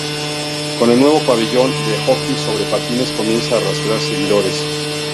Con el nuevo pabellón, el Hockey sobre Patines comienza a arrastrar seguidores.